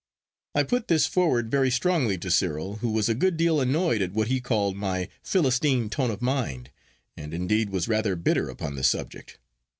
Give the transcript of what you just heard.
I put this forward very strongly to Cyril, who was a good deal annoyed at what he called my Philistine tone of mind, and indeed was rather bitter upon the subject.